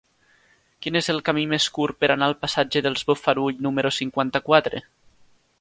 Quin és el camí més curt per anar al passatge dels Bofarull número cinquanta-quatre?